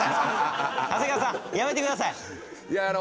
長谷川さんやめてください！